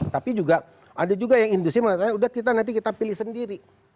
tapi juga ada juga yang industri yang menurut saya sudah kita nanti kita pilih sendiri